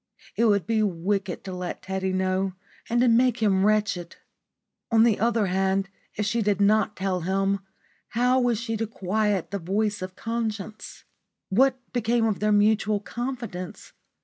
It would be wicked to let Teddy know and to make him wretched. On the other hand, if she did not tell him, how was she to quiet the voice of conscience? What became of their mutual confidence?